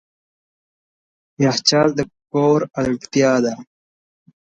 یخچال د کور اړتیا ده.